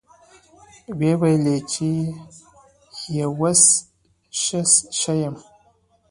ويې ويل چې يه اوس ښه يمه.